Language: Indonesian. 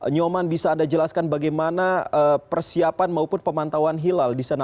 nyoman bisa anda jelaskan bagaimana persiapan maupun pemantauan hilal di sana